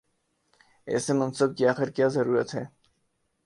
ایسے منصب کی آخر کیا ضرورت ہے؟